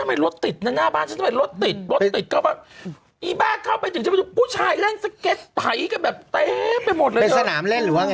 มีบทไหมแม่มีบทได้ยัง